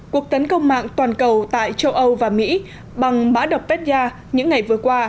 cuộc tấn công mạng toàn cầu tại châu âu và mỹ bằng mã độc petya những ngày vừa qua